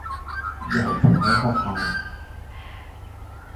尤其喺學校